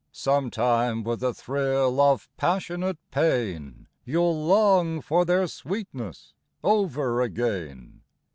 Sometime, with a thrill of passionate pain, You '11 long for their sweetness over again.